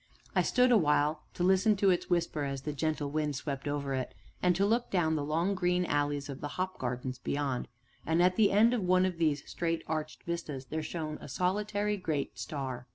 I stood awhile to listen to its whisper as the gentle wind swept over it, and to look down the long green alleys of the hop gardens beyond; and at the end of one of these straight arched vistas there shone a solitary, great star.